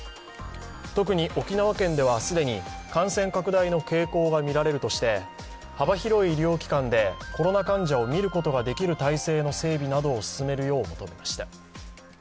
特に、沖縄県では既に感染拡大の傾向がみられるとして、幅広い医療機関でコロナ患者を診ることができる体制の整備などを進めるよう、求めました。